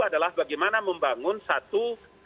adalah bagaimana membangun satu